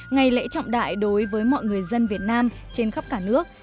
ngày lễ trọng đại đối với mọi người dân việt nam trên khắp cả nước